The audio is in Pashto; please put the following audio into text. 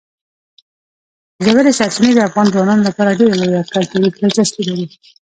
ژورې سرچینې د افغان ځوانانو لپاره ډېره لویه کلتوري دلچسپي لري.